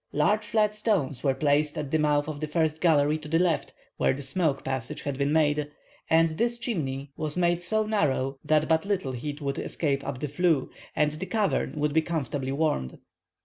Large flat stones were placed at the mouth of the first gallery to the left, where the smoke passage had been made; and this chimney was made so narrow that but little heat would escape up the flue, and the cavern would be comfortably warmed.